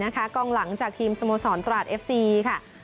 กองหลังจากทีมสโมสรตราดเอฟซีค่ะ